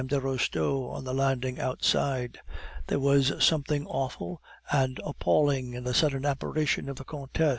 de Restaud on the landing outside. There was something awful and appalling in the sudden apparition of the Countess.